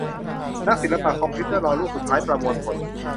นักศิลปะคอมพิวเตอร์รอรูปสุดท้ายประมวลผล